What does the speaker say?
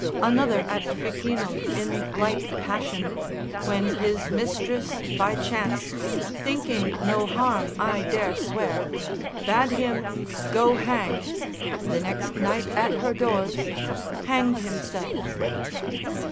Another at Ficinum in like passion, when his mistress by chance (thinking no harm I dare swear) bade him go hang, the next night at her doors hanged himself.